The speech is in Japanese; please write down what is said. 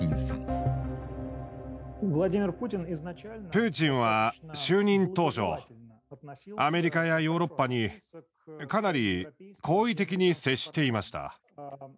プーチンは就任当初アメリカやヨーロッパにかなり好意的に接していました。